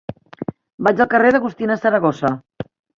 Vaig al carrer d'Agustina Saragossa.